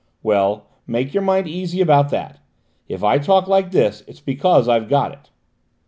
Well, make your mind easy about that; if I talk like this, it's because I've got it."